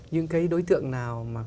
những cái đối tượng nào mà